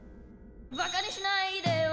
「馬鹿にしないでよ」